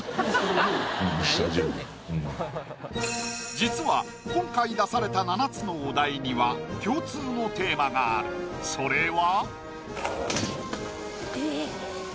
実は今回出された７つのお題には共通のテーマがあるそれは。